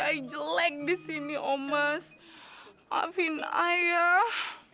ayah jelek di sini omas maafin ayah